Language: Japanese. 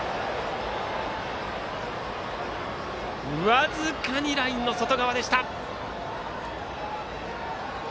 僅かにラインの外側でした。